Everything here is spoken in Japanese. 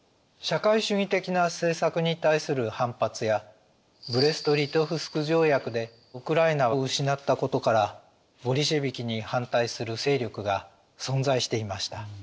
社会主義的な政策に対する反発やブレスト・リトフスク条約でウクライナを失ったことからボリシェヴィキに反対する勢力が存在していました。